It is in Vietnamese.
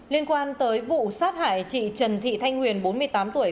liên quan tới vụ sát hại chị trần thị thanh nguyên bốn mươi tám tuổi